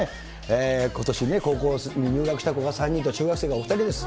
ことしね、高校入学した子が３人と中学生がお２人です。